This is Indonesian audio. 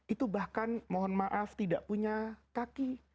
itu bahkan mohon maaf tidak punya kaki